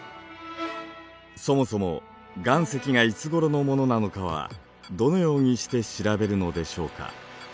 そもそも岩石がいつごろのものなのかはどのようにして調べるのでしょうか？